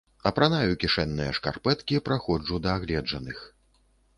Апранаю кішэнныя шкарпэткі праходжу да агледжаных.